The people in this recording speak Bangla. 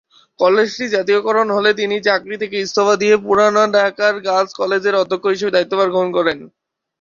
কলেজটি জাতীয়করণ হলে তিনি চাকরি থেকে ইস্তফা দিয়ে পুরানা পল্টন গার্লস কলেজের অধ্যক্ষ হিসেবে দায়িত্বভার গ্রহণ করেন।